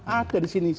ada di sini